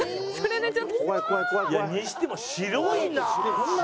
にしても白いなあ。